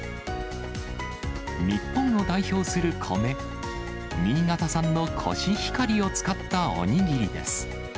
日本を代表する米、新潟産のコシヒカリを使ったおにぎりです。